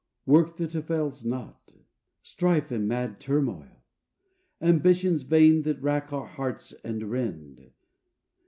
Work that avails not? strife and mad turmoil? Ambitions vain that rack our hearts and rend?